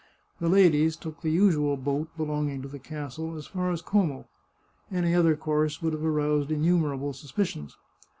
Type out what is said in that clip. The ladies took the usual boat belonging to the castle as far as Como ; any other course would have aroused innu merable suspicions.